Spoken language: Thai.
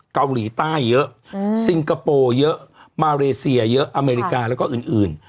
เกาหลีใต้เยอะซิงคโปร์เยอะมาเลเซียเยอะอเมริกาแล้วก็อื่น